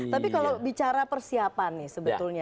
tapi kalau bicara persiapan nih sebetulnya